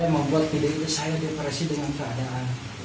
membuat video ini saya depresi dengan keadaan